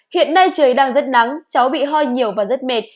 hiện nay trời đang rất nắng cháu bị ho nhiều và rất mệt